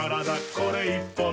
これ１本で」